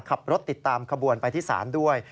ขับรถติดตามขบวนไปที่ศาลด้วย